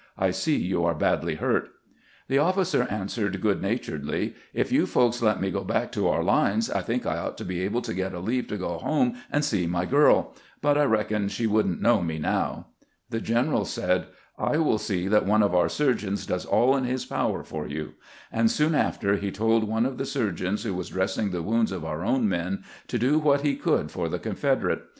I see you are badly hurt." The oflScer answered good naturedly :" If you folks let me go back to our lines, I think I ought to be able to get a leave to go home and see my girl ; but I reckon she would n't know me now." The general said, " I will see that one of our surgeons does all in his power for you "; and soon after he told one of the surgeons who was dressing the wounds of our own men to do what he could for the Confederate.